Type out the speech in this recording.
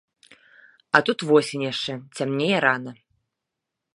А тут восень яшчэ, цямнее рана.